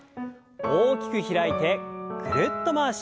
大きく開いてぐるっと回します。